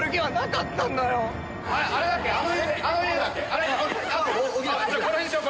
ああじゃあこの辺にしよう